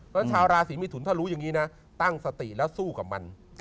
แล้วชาวราศีมิถุนถ้ารู้อย่างนี้นะตั้งสติแล้วสู้กับมัน